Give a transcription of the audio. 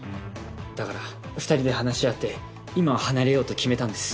だから２人で話し合って今は離れようと決めたんです。